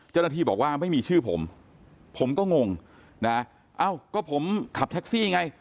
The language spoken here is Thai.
เจ้าหน้าที่บอกว่าไม่มีชื่อผมผมก็งงนะเอ้าก็ผมขับแท็กซี่ไง